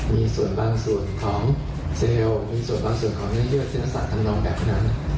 มีส่วนบางส่วนของเซลล์มีส่วนบางส่วนของเนื้อเยื่อที่นักศึกษาทำลองแบบนั้น